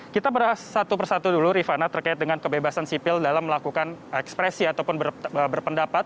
kita beras satu persatu dulu rifana terkait dengan kebebasan sipil dalam melakukan ekspresi ataupun berpendapat